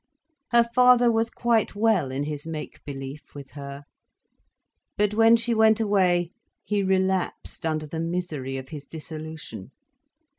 Her father was quite well in his make belief with her. But when she went away, he relapsed under the misery of his dissolution.